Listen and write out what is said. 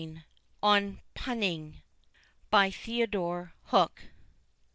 _) ON PUNNING. THEODORE HOOK.